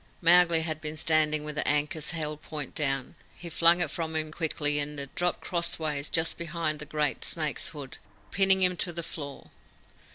Mowgli had been standing with the ankus held point down. He flung it from him quickly and it dropped crossways just behind the great snake's hood, pinning him to the floor.